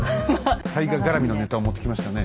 大河絡みのネタを持ってきましたね。